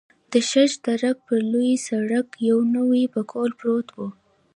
د شش درک پر لوی سړک یو نوی پکول پروت و.